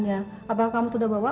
yang gak tau